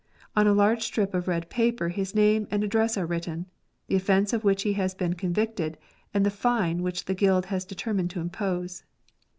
On a large strip of red paper his name and address are Avritten, the offence of which he has been convicted, and the fine which the guild has determined to impose.